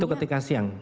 itu ketika siang